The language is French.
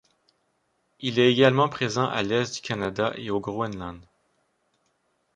Il est également présent à l'est du Canada et au Groenland.